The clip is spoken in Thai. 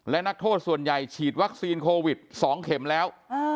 และนักโทษส่วนใหญ่ฉีดวัคซีนโควิด๒เข็มแล้ว